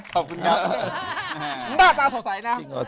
ขอบคุณครับ